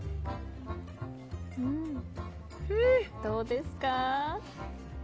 どうですか？